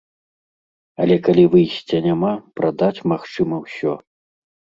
Але калі выйсця няма, прадаць магчыма ўсё.